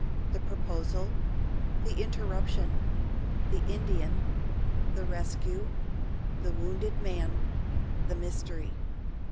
_The Proposal—The Interruption—The Indian —The Rescue—The Wounded Man—The Mystery.